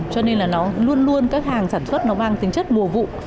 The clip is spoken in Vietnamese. cho nên luôn luôn các hàng sản xuất mang tính chất mùa vụ